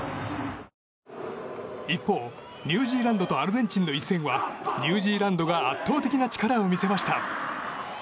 一方、ニュージーランドとアルゼンチンの一戦はニュージーランドが圧倒的な力を見せました。